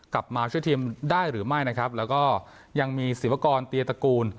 กลับมาช่วยทีมได้หรือไม่นะครับแล้วก็ยังมีศิวากรเตียตระกูล